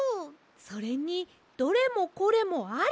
それに「どれもこれもあり！」